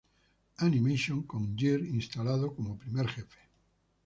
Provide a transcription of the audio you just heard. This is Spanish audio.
Animation, con Geer instalado como primer jefe.